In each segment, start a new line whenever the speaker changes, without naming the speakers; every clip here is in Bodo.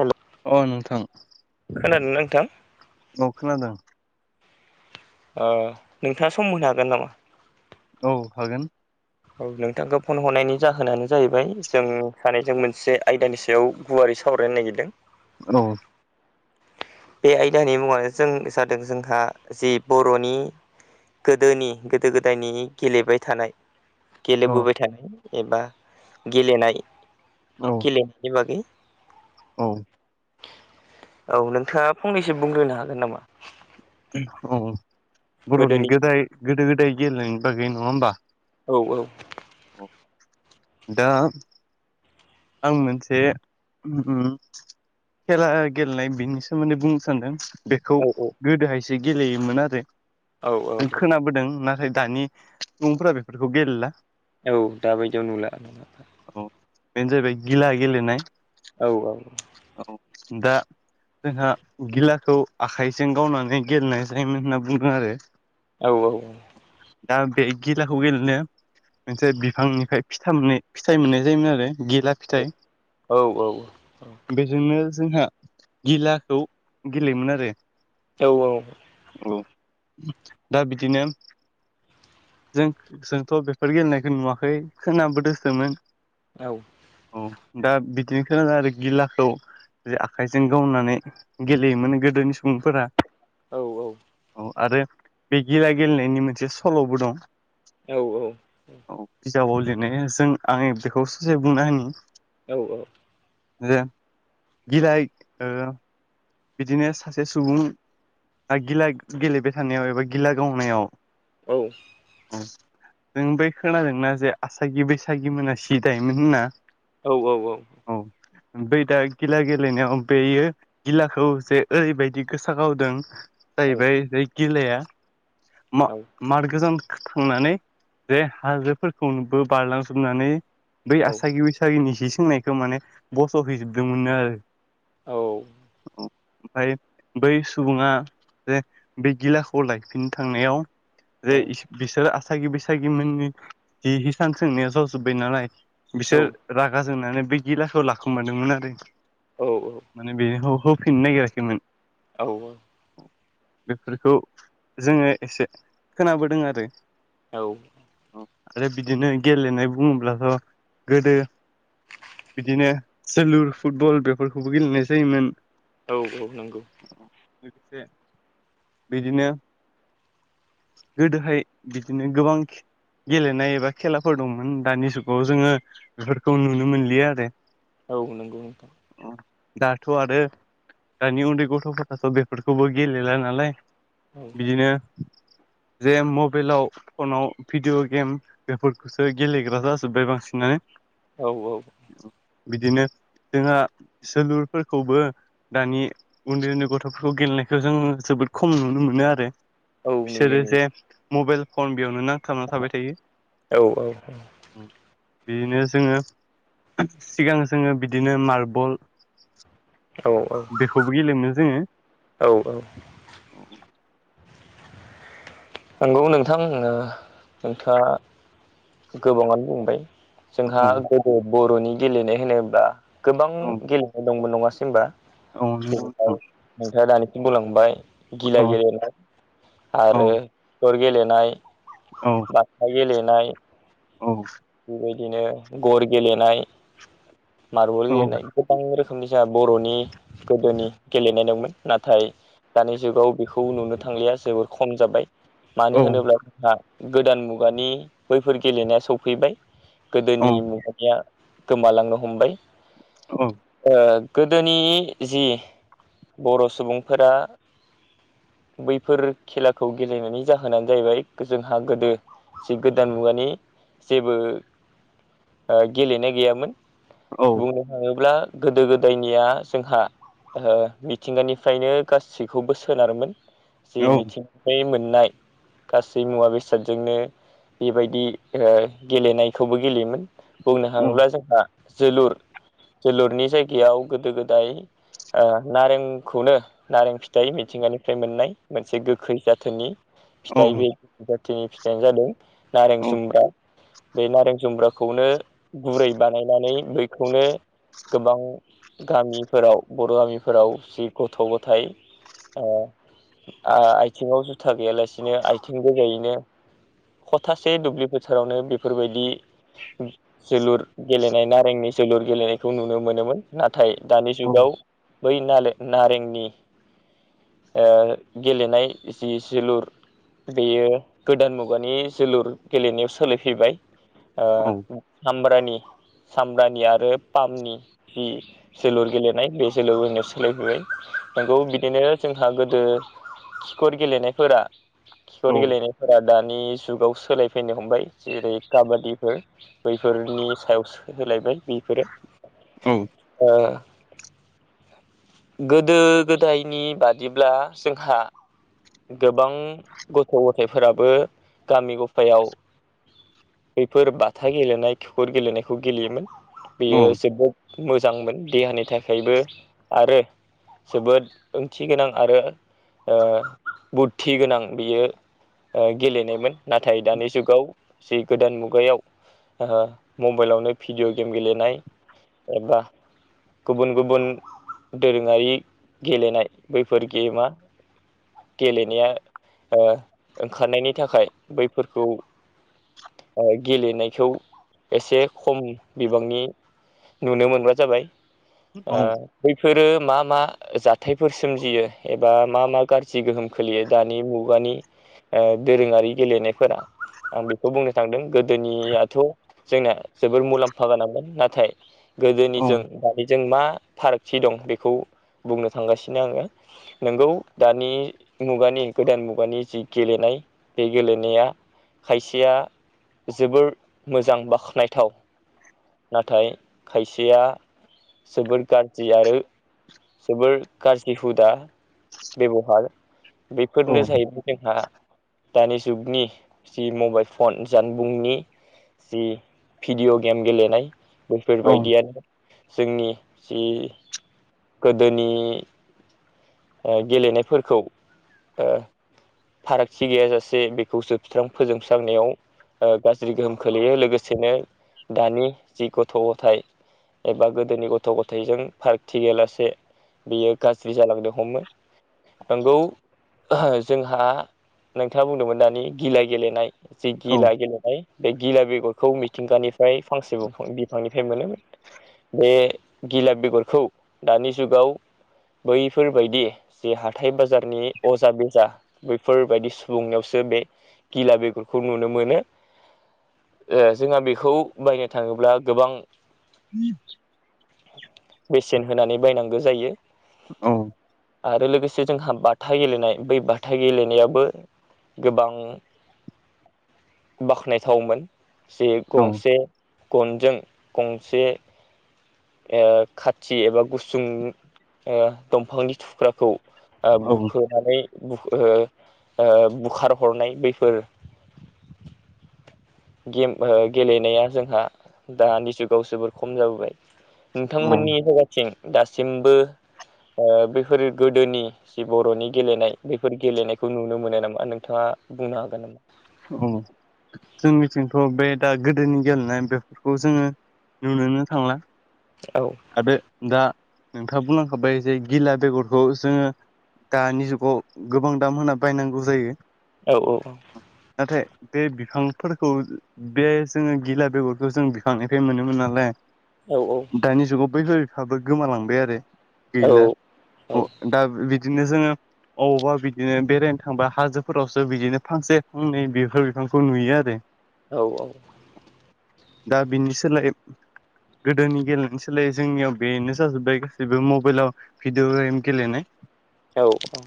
हेल'
अ' नोंथां
खोनादोंना नोंथां?
औ खोनादों।
ओ नोंथाङा सम होनो हागोन नामा?
औ हागोन।
औ नोंथांखौ फन हरनायनि जाहोनानो जाहैबाय जों सानैजों मोनसे आयदानि सायाव गुवारै सावरायनो नागिरदों
औ
बे आयदानि मुङानो जों जादों जोंहा जे बर'नि गोदोनि गोदो गोदायनि गेलेबाय थानाय
औ
गेलेबोबाय थानाय एबा गेलेनाय
औ
गिलेनायनि बागै।
औ
औ नोंथाङा फंनैसो बुंग्रोनो हागोन नामा?
औ बर'नि
गोदोनि
गोदाय गोदो गोदाय गेलेनायनि बागै नङा होमबा।
औ औ
दा आं मोनसे ओम ओम खेला गेलेनाय बिनि सोमोन्दै बुंनो सान्दों बेखौ
औ
गोदोहायसो गेलेयोमोन आरो
औ
जों
औ
खोनाबोदों नाथाय दानि सुबुंफोरा बेफोरखौ गेलेला
औ दाबायदियाव नुला
औ बेनो जाहैबाय गिला गेलेनाय
औ औ
औ दा जोंहा गिलाखौ आखाइजों गावनानै गेलेनाय जायोमोन होनना बुंदों आरो
औ औ औ
दा बे गिलाखौ गेलेनो मोनसे बिफांनिफ्राय [unintelligible] फिथाय मोननाय जायोमोन आरो गिला फिथाइ
औ औ औ
बेजोंनो जोंहा गिलाखौ गेलेयोमोन आरो
औ औ
औ दा बिदिनो जों जोंथ' बेफोर गेलेनायखौ नुवाखै खोनाबोदोंसोमोन
औ
औ दा बिदिनो खोनादों आरो गिलाखौ जे आखाइजों गावनानै गेलेयोमोन गोदोनि सुबुंफोरा
औ औ
औ आरो बे गिला गेलेनायनि मोनसे सल'बो दं
औ औ
औ बिजाबाव लिरनाया जों आं बेखौ ससे बुंना होनि
औ औ
जे गिला ओ बिदिनो सासे सुबुं आ गिला गेलेबाय थानायाव एबा गिला गावनायाव
औ
औ जों बै खोनादोंना जे आसागि बैसागि मोना सि दायोमोन होनना
औ औ औ
औ ओमफ्राय दा गिला गेलेनायाव बेयो गिलाखौ जे ओरैबायदि गोसा गावदों जाहैबाय बे गिलाया मा मार गोजान थांनानै जे हाजोफोरखौनोबो बारलांजोबनानै बै आसागि बैसागिनि सि सोंनायखौ माने बस'हैजोबदोंमोननो आरो
औ
ओमफ्राय बै सुबुङा जे बे गिलाखौ लायफिननो थांनायाव जे बिसोरो आसागि बैसागि मोननि जि हिसान सोंनाया जजोब्बाय नालाय बिसोर रागा जोंनानै बे गिलाखौ लाखुमादोंमोन आरो।
औ औ
माने बेनिखौ होफिननो नागिराखैमोन
औ औ
बेफोरखौ जोङो एसे खोनाबोदों आरो
औ
औ आरो बिदिनो गेलेनाय बुङोब्लाथ' गोदो बिदिनो जोलुर फुटबल बेफोरखौबो गेलेनाय जायोमोन
औ औ नंगौ
लोगोसे बिदिनो गोदोहाय बिदिनो गोबां गेलेनाय एबा खेलाफोर दंमोन दानि जुगाव जोङो बेफोरखौ नुनो मोनलिया आरो।
औ नंगौ नोंथां।
अ दाथ आरो दानि उन्दै गथफोराथ बेफोरखौबो गेलेला नालाय
औ
बिदिनो जे मबाइलाव फनाव भिडिअ गेम बेफोरखौसो गेलेग्रा जाजोब्बाय बांसिनानो
औ औ
बिदिनो जोंहा जोलुरफोरखौबो दानि उन्दै उन्दै गथफोरखौ गेलेनायखौ जों जोबोद खम नुनो मोनो आरो।
औ नुयो
बिसोरो
नुयो
जे मबाइल फन बेयावनो नांथाबना थाबाय
औ
थायो बिदिनो जोङो सिगां जोङो बिदिनो मार्बल
औ
बेखौबो गेलेयोमोन जोङो।
औ औ नंगौ नोंथां नोंथाङा गोबाङानो बुंबाय जोंहा
औ
गोदो बरनि गेलेनाय होनोब्ला गोबां
औ
गेलेनाय दंमोन नङासै होनबा?
औ नंगौ
जेनेबा
नोंथां
नोंथाङा दानिसिम बुंलांबाय गिला
औ
गेलेनाय
औ
आरो दर गेलेनाय
औ
बाथा गेलेनाय
औ
बेबायदिनो गर गेलेनाय मार्बल गेलेनाय
औ
गोबां रोखोमनि जोहा बरनि गोदोनि गेलेनाय दंमोन नाथाय दानि जुगाव बेखौ नुनो थांलिया जोबोर खम जाबाय मानो
औ
होनोब्ला जोंहा गोदान मुगानि बैफोर गेलेनाया सफैबाय
औ
गोदोनि मुगानिया गोमालांनो हमबाय ओ गोदोनि जि बर' सुबुंफोरा बैफोर खेलाखौ गेलेनायनि जाहोनानो जाहैबाय जोंहा गोदो जि गोदान मुगानि बो ओ गेलेनाय गैयामोन बुंनो थाङोब्ला गोदो गोदायनिया जोंहा ओ मिथिंगानिफ्रायनो गासैखौबो सोनारोमोन जि मिथिं गायै मोननाय गासै मुवा बेसादजोंनो बेबायदि ओ गेलेनायखौबो गेलेयोमोन बुंनो थाङोब्ला जोंहा जोलुर जोलुरनि जायगायाव गोदो गोदाय ओ नारेंखौनो नारें फिथाइ मिथिंगानिफ्राय मोननाय मोनसे गोखै जाथोननि फिथाइ बे जाथिनि फिथायानो जादों नारें जुम्ब्रा बे नारें जुम्ब्राखौनो गुरै बानायनानै बैखौनो गोबां गामिफोराव बर' गामिफोराव जि गथ' गथाइ आथिङाव जुथा गैयालासिनो आथिं गोजायैनो खथासे दुब्लिफोर सेरावनो बेफोरबायदि जोलुर गेलेनाय नारेंनि जोलुर गेलेनायखौ नुनो मोनोमोन नाथाय दानि जुगाव बै नाले नारेंनि ओ गेलेनाय जि जोलुर बेयो गोदान मुगानि जोलुर गेलेनायाव सोलायफैबाय सामब्रानि सामब्रानि आरो पामनि जि जोलुर गेलेनाय बे जोलुर जनो सोलायबोबाय नंगौ बिदिनो जोंहा गोदो खिखर गेलेनायफोरा खिखर गेलेनायफोरा दानि जुगाव सोलायफैनो हमबाय जेरै काबादिफोर बैफोरनि सायावसो होलायबाय बिफोरो ओ गोदो गोदायनि बादिब्ला जोंहा गोबां गथ' गथायफोराबो गामि गफायाव बैफोर बाथा गेलेनाय खिखर गेलेनायखौ गेलेयोमोन बेयो जोबोद मोजांमोन देहानि थाखायबो आरो जोबोद ओंथि गोनां आरो ओ बुद्धि गोनां बियो गेलेनायमोन नाथाय दानि जुगाव जि गोदान मुगायाव ओ मबाइलावनो भिडिअ' गेम गेलेनाय एबा गुबुन गुबुन दोरोङारि गेलेनाय बैफोर गेमा गेलेनाया ओ ओंखारनायनि थाखाय बैफोरखौ गेलेनायखौ एसे खम बिबांनि नुनो मोनब्ला जाबाय बैफोरो मा मा जाथायफोर सोमजियो एबा मा मा गाज्रि गोहोम खोलियो दानि मुगानि दोरोङारि गेलेनायफोरा आं बेखौ बुंनो थांदों गोदोनियाथ' जोंना जोबोर मुलाम्फा गानांगोन नाथाय गोदोनिजों दानिजों मा फारागथि दं बेखौ बुंनो थांगासिनो आङो नोंगौ दानि मुगानि गोदान मुगानि जि गेलेनाय बे गेलेनाया खायसेया जोबोर मोजां बाखनायथाव नाथाय खायसेया जोबोद गाज्रि आरो जोबोर गाज्रि हुदा बेबहार बेफोरनो जाहैबाय जोंहा दानि जुगनि जि मबाइल फन जानबुंनि जि भिडिय' गेम गेलेनाय बैफोरबायदियानो जोंनि जि गोदोनि गेलेनायफोरखौ फारागथि गैयााजासे बेखौसो फिस्रां फोजोंस्रांनायाव ओ गाज्रि गोहोम खोलैयो लोगोसेनो दानि जि गथ' गथाय एबा गोदोनि गथ' गथायजों फारागथि गैलासे से बियो गाज्रि जालांदों हमो नंगौ जोंहा नोंथाङा बुंदोंमोन दानि गिलाइ गेलेनाय जि गिला गेलेनाय बे गिला बेगरखौ मिथिंगानिफ्राय फांसे फां बिफांनिफ्राय मोनोमोन बे गिला बेगरखौ दानि जुगाव बैफोरबायदि जे हाथाय बाजारनि अजा बेजा बैफोरबायदि सुबुंनायावसो बे गिला बेगरखौ नुनो मोनो ओ जोंहा बेखौ बायनो थाङोब्ला गोबां
बि
बेसेन होनानै बायनांगौ जायो
औ
आरो लोगोसे जोंहा बाथा गेलेनाय बै बाथा गेलेनायावबो गोबां बाख्नायथावमोन जे गंसे गनजों गंसे खाथि एबा गुसुं दंफांनि थुख्राखौ बुखोनानै बुखारहरनाय बैफोर गेम गेलेनाया जोंहा दानि जुगाव जोबोर खम जाबोबाय नोंथांमोननि हुोगाथिं दासिमबो बैफोर गोदोनि जि बर'नि गेलेनाय बेफोर गेलेनायखौ नुनो मोनो नामा नोंथाङा बुंनो हागोन नामा
अ जोंनिथिंथ' बे दा गोदोनि गेलेनाय बेफोरखौ जोङो नुनोनो थांला
औ
आरो दा नोंथाङा बुंनांखाबाय जे गिला बेगरखौ जोङो दानि जुगाव गोबां दाम होना बायनांगौ जायो।
औ औ औ।
नाथाय बे बिफांफोरखौ बे जोङो गिला बेगरखौ जों बिखांनिफ्राय मोनोमोन नालाय
औ
दानि जुगाव बैफा बिफाबो गोमालांबाय आरो।
औ
गैला अ द बिदिनो जोङो अबावबा बिदिनो बेरायनो थांब हाजोफोरावसो बिदिनो फांसे [unintelligible] नै बेफोर बिफांखौ नुयो आरो।
औ औ
दा बिनि सोलाय गोदोनि गेलेनो सोलायै जोंनियाव बेनो जाजोब्बाय गासैबो मबाइलाव भिडिअ गेम गेले नाय
औ औ।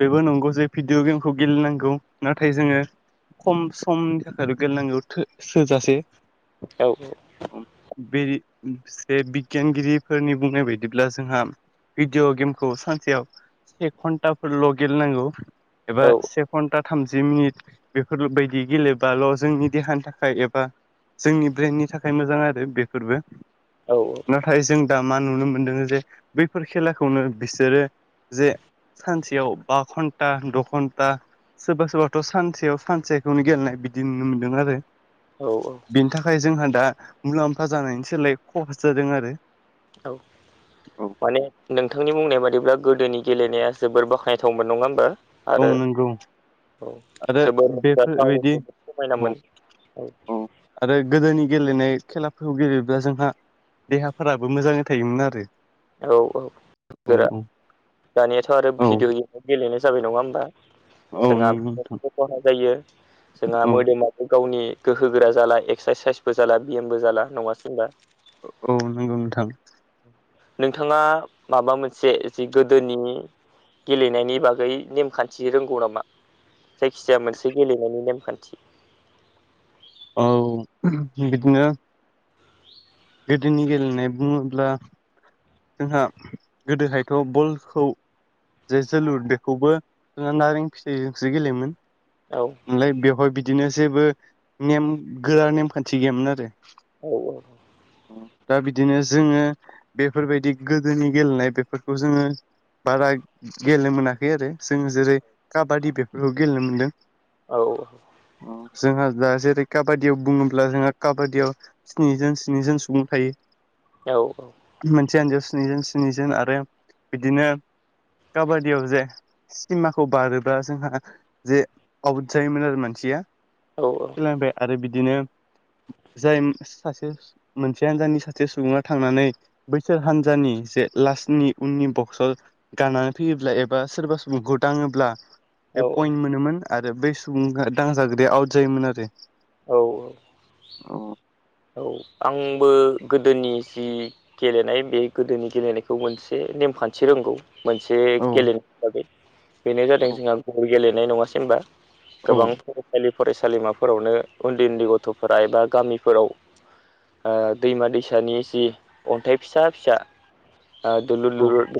बेबो नंगौ जे भिडिअ' गेमखौ गेलेनांगौ नाथाय जोङो खम समनि थाखाय गेलेनांगौ थोजासे।
औ
बे बिगियानगिरिफोरनि बुंनाय बायदिब्ला जोंहा भिडिअ' गेमखौ सानसेयाव से घन्टाफोरल' गेलेनांगौ एबा से घन्टा थामजि मिनिट बेफोरबायदि गेलेबाल' जोंनि देहानि थाखाय एबा जोंनि ब्रेननि थाखाय मोजां आरो बेफोरबो
औ औ।
नाथाय जों दा मा नुनो मोनदों जे बैफोर खेलाखौनो बिसोरो जे सानसेयाव बा घन्टा द' घन्टा सोरबा सोरबाथ' सानसेयाव सानसेखौनो गेलेनाय बिदि नुनो मोनदों आरो।
औ
बिनि थाखाय थाखाय जोंहा दा मुलाम्फा जानायनि सोलाय खहा जादों आरो।
औ
औ
माने नोंथांनि बुंनाय बादिब्ला गोदोनि गेलेनाया जोबोर बाख्नायथावमोन नङा ह होनोमबा
औ नंगौ। आरो
जोबोर रंजाथाव
बेफोरबायदि
जोबोर
औ
समायनामोन
औ। आरो गोदोनि गेलेनाय खेलाफोरखौ गेलेब्ला जोंहा देहाफोराबो मोजाङै थायोमोन आरो।
औ औ
औ
गोरा दानियाथ' आरो
औ
भिडिअ गेमाव गेलेनाय जाबाय नङा होमबा।
औ नंगौ नोंथां
जोंहाबो खहा जायो जोंहा
औ
मोदोमाबो गावनि गोहो गोरा जाला एक्सारसाइसबो जाला बिएमबो जाला नङासै होमबा।
औ नंगौ नोंथां।
नोंथाङा माबा मोनसे जि गोदोनि गेलेनायनि बागै नेमखान्थि रोंगौ नामा? जायखिजाया मोनसे गेलेनायनि नेमखान्थि
औ बिदिनो गोदिनि गेलेनाय बुंङोब्ला जोंहा गोदोहायथ' बलखौ जे जोलुर बेखौबो जोङो नारें फिथाइजोंसो गेलेयोमोन
औ
नालाय बेवहाय बिदिनो जेबो नेम गोरा नेमखान्थि गैयामोन आरो
औ औ
दा बिदिनो जोङो बेफोरबायदि गोदोनि गेलेनाय बेफोरखौ जोङो बारा गेलेनो मोनाखै आरो जों जेरै काबादि बेफोरखौ गेलेनो मोन्दों।
औ
जोंहा दा जेरै काबादियाव बुङोब्ला जोंहा काबादियाव स्निज स्निजोन सुबुं थायो
औ औ
मोनसे आनजायाव स्निजोन स्निजोन आरो बिदिनो काबादियाव जे सिमाखौ बारोबा जोंहा जे आवट जायोमोन आरो मानसिया
औ औ
सोलांबाय आरो बिदिनो जाय सासे मोनसे हनजानि सासे सुबुङा थांनानै बैसोर हानजानि जे लास्टनि उननि बक्स गाननानै फैयोब्ला एबा सोरबा सम गुदाङोब्ला
औ
बे पइन्ट मोनोमोन आरो बै सुबुंआ दांजाग्राया आउट जायोमोन आरो
औ औ
ओम
औ आंबो गोदोनि जि गेलेनाय बे गोदोनि गेलेनायखौ मोनसे नेमखान्थि रोंगौ मोनसे
औ
गेलेनाय हिसाबै बेनो जादों जोंहा गल गेलेनाय नङासै होनबा
औ
गोबां फरायसालि फरायसालिमाफोरावनो उन्दै उन्दै गथ'फोरा एबा गामिफोराव दैमा दैसानि जि अन्थाइ फिसा फिसा दुलुर
औ
ललुर